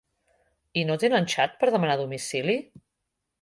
I no tenen xat per demanar a domicili?